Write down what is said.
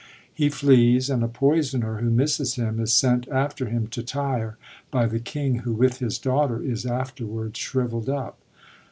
He flees, and a poisoner — who misses him — is sent after him to Tyre, by the king, who, with his daughter, is afterwards shriveld up.